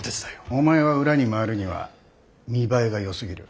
お前は裏に回るには見栄えがよすぎる。